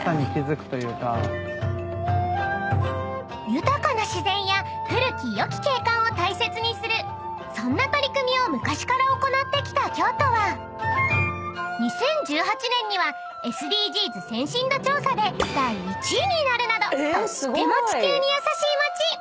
［豊かな自然や古きよき景観を大切にするそんな取り組みを昔から行ってきた京都は２０１８年にはＳＤＧｓ先進度調査で第１位になるなどとっても地球に優しい街］